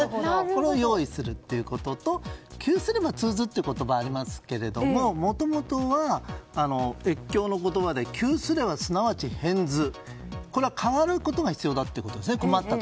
これを用意するということと窮すれば通ずという言葉がありますけれどももともとは、越境の言葉で窮すればすなわち変ずというこれは変わることが必要だということです。